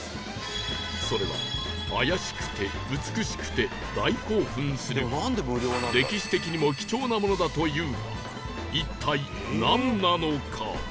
それは怪しくて美しくて大興奮する歴史的にも貴重なものだというが一体なんなのか？